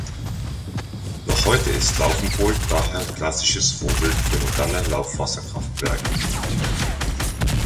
Noch heute ist Laufenburg daher klassisches Vorbild für moderne Laufwasserkraftwerke.